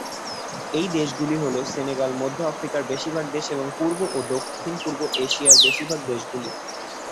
এই দেশগুলি হল: সেনেগাল, মধ্য আফ্রিকার বেশিরভাগ দেশ এবং পূর্ব ও দক্ষিণ-পূর্ব এশিয়ার বেশিরভাগ দেশগুলি।